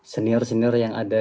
senior senior yang ada